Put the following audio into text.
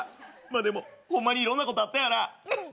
でもホンマにいろんなことあったよな。